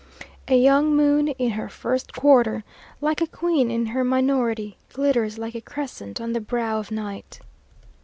A young moon in her first quarter, like a queen in her minority, glitters like a crescent on the brow of night.